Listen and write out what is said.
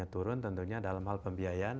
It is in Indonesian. turun tentunya dalam hal pembiayaan